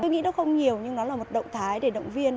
tôi nghĩ nó không nhiều nhưng nó là một động thái để động viên